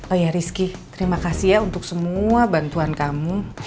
oh ya rizky terima kasih ya untuk semua bantuan kamu